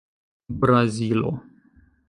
brazilo